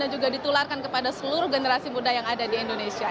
dan juga ditularkan kepada seluruh generasi muda yang ada di indonesia